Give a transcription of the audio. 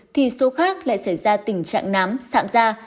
thì số khác lại xảy ra tình trạng nám sạm da